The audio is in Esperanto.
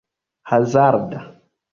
hazarda